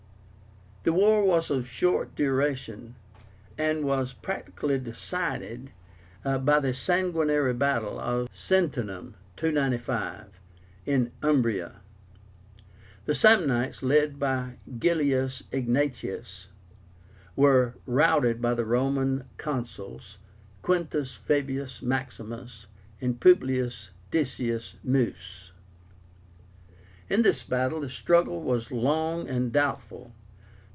The war was of short duration, and was practically decided by the sanguinary battle of SENTINUM (295) in Umbria. The Samnites, led by Gellius Egnatius, were routed by the Roman Consuls QUINTUS FABIUS MAXIMUS and PUBLIUS DECIUS MUS. In this battle the struggle was long and doubtful.